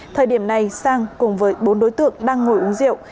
thời điểm này sang cùng với bốn đối tượng đang ngồi uống rượu